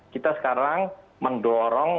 kita sekarang mendorong